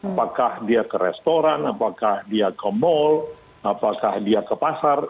apakah dia ke restoran apakah dia ke mal apakah dia ke pasar